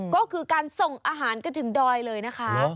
ก็คือการส่งอาหารกันถึงดอยเลยนะคะ